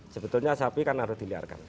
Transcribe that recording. sebetulnya sapi kan harus diliarkan